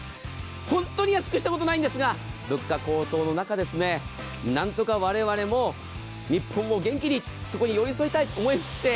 本当に安くしたことないんですが物価高騰の中なんとか我々も日本を元気にそこに寄り添いたいと思いまして。